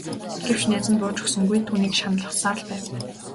Гэвч найз нь бууж өгсөнгүй түүнийг шаналгасаар л байв.